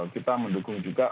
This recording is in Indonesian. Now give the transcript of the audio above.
kita mendukung juga